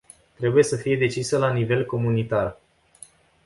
Trebuie să fie decisă la nivel comunitar.